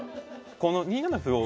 この２七歩を。